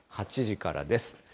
８時からです。